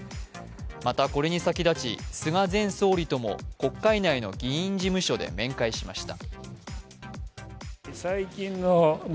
またこれに先立ち菅前総理とも国会内の議員事務所で面会しました。